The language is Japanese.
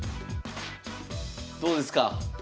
どうですか！